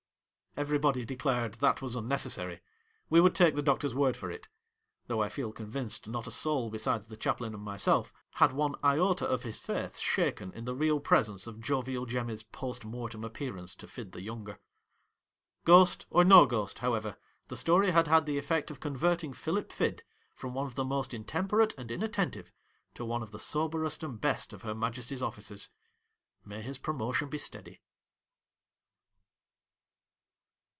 Everybody declared that was unnecessary. We would take the doctor's word for it ; though I feel convinced not a soul besides the chaplain and myself had one iota of his faith shaken in the real presence of Jovial Jemmy's post mortem appearance to Fid the younger. Ghost or no ghost, however, the story had had the effect of converting Philip Fid from one of the most intemperate and inattentive to one of the soberest and best of Her Majesty's officers. May his promotion be speedy